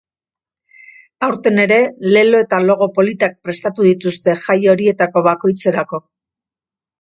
Aurten ere, lelo eta logo politak prestatu dituzte jai horietako bakoitzerako.